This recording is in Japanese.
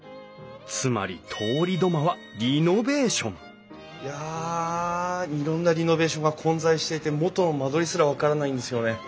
つまり通り土間はリノベーションいやいろんなリノベーションが混在していて元の間取りすら分からないんですよね。